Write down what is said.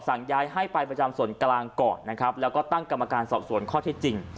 ย้ายให้ไปประจำส่วนกลางก่อนนะครับแล้วก็ตั้งกรรมการสอบสวนข้อที่จริง